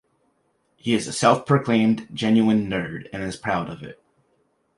He is a self-proclaimed "Genuine Nerd," and is proud of it.